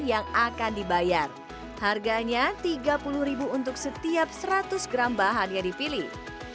yang akan dibayar harganya rp tiga puluh untuk setiap seratus gram bahan yang dipilih